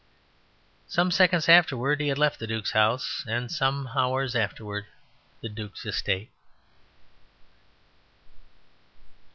Some seconds afterwards he had left the Duke's house, and some hours afterwards the Duke's estate.